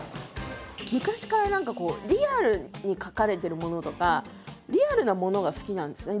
昔から何かこうリアルに描かれてるものとかリアルなものが好きなんですね。